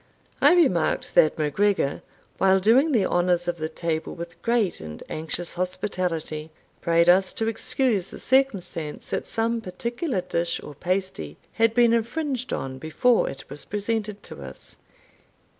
I remarked that MacGregor, while doing the honours of the table with great and anxious hospitality, prayed us to excuse the circumstance that some particular dish or pasty had been infringed on before it was presented to us.